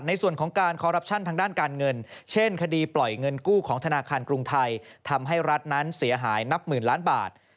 ในส่วนของการคอรัปชั่นทางด้านการเงินเช่นคดีปล่อยเงินกู้ของธนาคารกรุงไทยทำให้รัฐนั้นเสียหายนับหมื่นล้านบาท